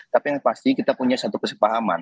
tapi yang pasti kita punya satu kesepahaman